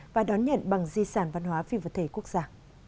và đón nhận bằng di sản văn hóa phi vật thể quốc gia